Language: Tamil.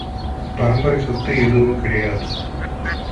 பரம்பரைச் சொத்து எதுவும் கிடையாது.